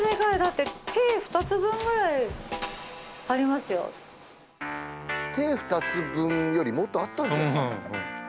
まそう手２つ分よりもっとあったんじゃない？